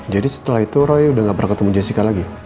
jadi setelah itu roy udah gak pernah ketemu jessica lagi